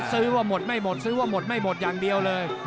ซื้อว่าหมดไม่หมดซื้อว่าหมดไม่หมดอย่างเดียวเลย